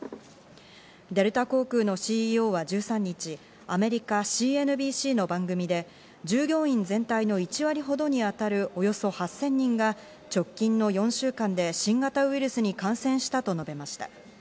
デルタ航空のＣＥＯは１３日、アメリカ・ＣＮＢＣの番組で従業員全体の１割ほどにあたるおよそ８０００人が直近の４週間で新型ウイルスに感染したと述べました。